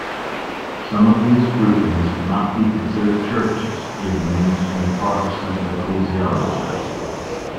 Some of these groupings cannot be considered churches in mainstream Protestant ecclesiology.